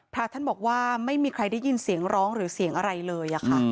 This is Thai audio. พระท่านบอกว่าไม่มีใครได้ยินเสียงร้องหรือเสียงอะไรเลยค่ะ